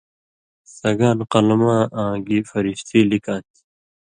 سگان قلماں آں گی فرشتی لِکاں تھی